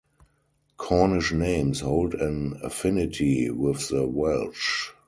Cornish names hold an affinity with the Welsh.